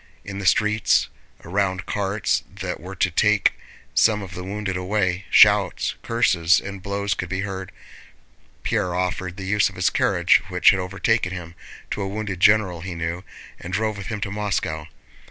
In the streets, around carts that were to take some of the wounded away, shouts, curses, and blows could be heard. Pierre offered the use of his carriage, which had overtaken him, to a wounded general he knew, and drove with him to Moscow.